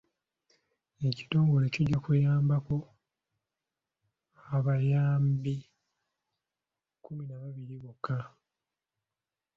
Ekitongole kijja kuyambako abayambi kkuminababiri bokka.